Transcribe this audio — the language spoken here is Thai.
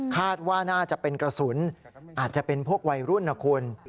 คาดว่าน่าจะเป็นกระสุนอาจจะเป็นพวกวัยรุ่นนะคุณ